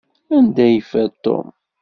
Anda ay yeffer Tom?